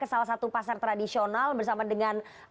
ke salah satu pasar tradisional bersama dengan